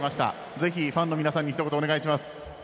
ぜひ、ファンの皆さんにひと言お願いします。